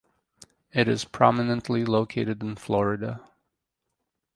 It is prominently located in Florida.